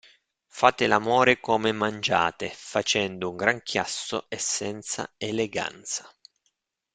Fate l'amore come mangiate, facendo un gran chiasso e senza eleganza.